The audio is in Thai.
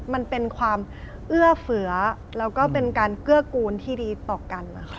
มันเป็นความเอื้อเฟือแล้วก็เป็นการเกื้อกูลที่ดีต่อกันนะคะ